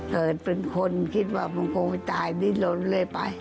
เกิดเป็นคนคิดว่ามันคงไปตายลิ้นลดเลยไป